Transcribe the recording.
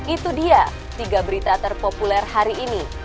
itu dia tiga berita terpopuler hari ini